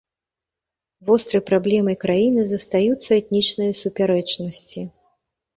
Вострай праблемай краіны застаюцца этнічныя супярэчнасці.